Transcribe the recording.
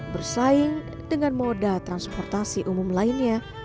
bersaing dengan moda transportasi umum lainnya